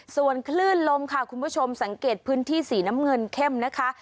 ส่วนคลื่นลมค่ะคุณผู้ชมสังเกตพื้นที่สีน้ำเงินเข้มนะคะ